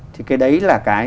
thì cái đấy là cái